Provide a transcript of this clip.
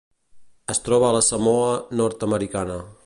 Es troba a la Samoa Nord-americana.